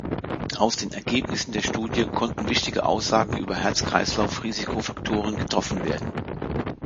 Aus den Ergebnissen der Studie konnten wichtige Aussagen über Herz-Kreislauf-Risikofaktoren getroffen werden.